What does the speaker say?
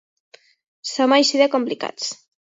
Som així de complicats.